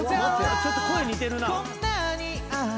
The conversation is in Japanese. ちょっと声似てるな。